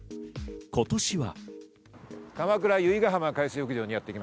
今年は。